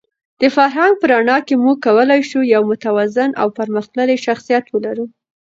د فرهنګ په رڼا کې موږ کولای شو یو متوازن او پرمختللی شخصیت ولرو.